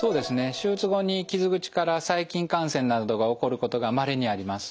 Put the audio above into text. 手術後に傷口から細菌感染などが起こることがまれにあります。